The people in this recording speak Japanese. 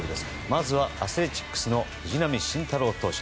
まずは、アスレチックスの藤浪晋太郎投手。